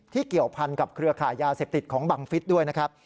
เกี่ยวพันกับเครือขายยาเสพติดของบังฟิศด้วยนะครับ